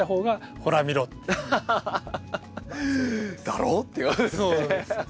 「だろ？」っていうわけですね。